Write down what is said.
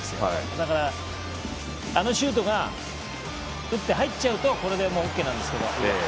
だから、あのシュートが打って入っちゃうとこれでＯＫなんですけど。